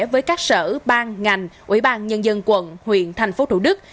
với các sở bang ngành ủy ban nhân dân quận huyện tp thủ đức